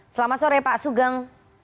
selamat sore pak sugeng